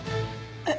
えっ？